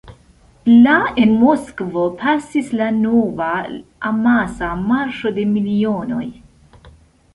La en Moskvo pasis la nova amasa "Marŝo de milionoj".